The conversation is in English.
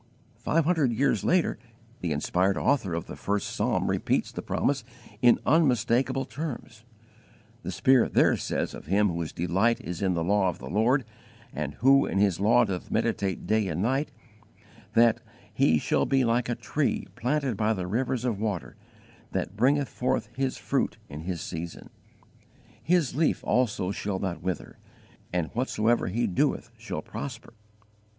Five hundred years later the inspired author of the first Psalm repeats the promise in unmistakable terms. The Spirit there says of him whose delight is in the law of the Lord and who in His law doth meditate day and night, that "he shall be like a tree planted by the rivers of water, that bringeth forth his fruit in his season; his leaf also shall not wither; and _whatsoever he doeth shall prosper."